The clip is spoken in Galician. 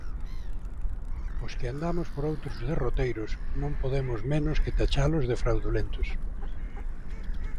Os que andamos por outros derroteiros non podemos menos que tachalos de fraudulentos.